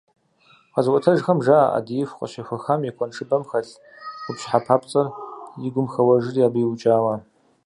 Къэзыӏуэтэжхэм жаӏэ, ӏэдииху къыщехуэхам и куэншыбэм хэлъ къупщхьэ папцӏэр и гум хэуэжри, абы иукӏауэ.